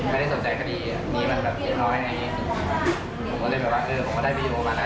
ผมก็เลยแบบว่าเออผมก็ได้วีดีโอมาละ